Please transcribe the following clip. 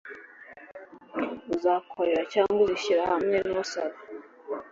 uzakorera cyangwa uzishyira hamwe n usaba